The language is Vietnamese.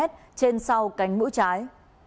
trên sau cánh mũ trái